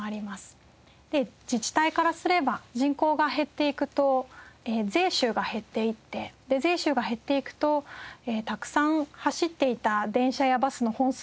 自治体からすれば人口が減っていくと税収が減っていって税収が減っていくとたくさん走っていた電車やバスの本数が減ってしまったり。